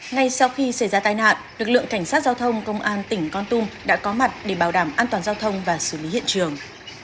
ngay sau khi xảy ra tai nạn lực lượng cảnh sát giao thông công an tỉnh con tum đã có mặt để bảo đảm an toàn giao thông và xử lý hiện trường